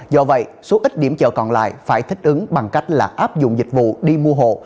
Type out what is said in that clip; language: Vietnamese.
do vậy số ít điểm chợ còn lại phải thích ứng bằng cách là áp dụng dịch vụ đi mua hộ